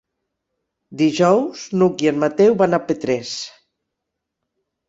Dijous n'Hug i en Mateu van a Petrés.